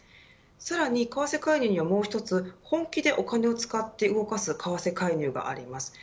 さらに為替介入にはもう一つ本気でお金を使って動かす為替介入があります。